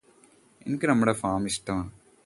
എനിക്ക് നമ്മുടെ ഫാം ഇഷ്ടമാണ്